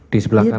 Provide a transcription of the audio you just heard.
di sebelah kanan